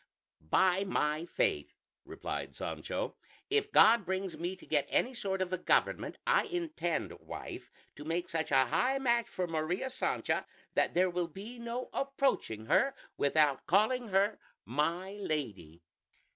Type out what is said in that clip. "By my faith," replied Sancho, "if God brings me to get any sort of a government, I intend, wife, to make such a high match for Maria Sancha that there will be no approaching her without calling her 'my lady.'"